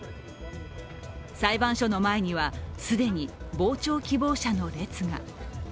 裁判所の前には既に傍聴希望者の列が。